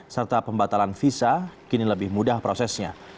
serta pembatalan visa kini lebih mudah prosesnya